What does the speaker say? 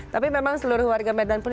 tapi memang seluruh warga medan pun